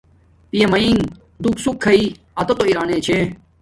پیا ماین دوک سوک کھایݵ اتوتا ارانے چھے